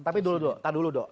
tapi dulu doh